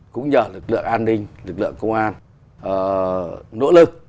cũng nhờ lực lượng an ninh lực lượng công an nỗ lực